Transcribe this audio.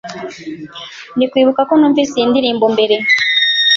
Ndibuka ko numvise iyi ndirimbo mbere.